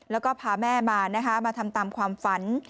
แล้วก็พาแม่มานะคะมาทำตามความฝัน